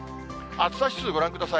暑さ指数、ご覧ください。